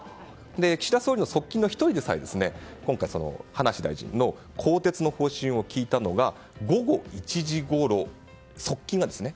岸田総理の側近の１人でさえ今回、葉梨大臣の更迭の方針を聞いたのが午後１時ごろ、側近がですよ。